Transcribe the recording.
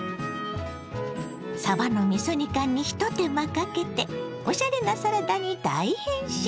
さばのみそ煮缶にひと手間かけておしゃれなサラダに大変身！